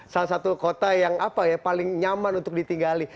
salah satu kota yang apa ya paling nyaman untuk ditinggali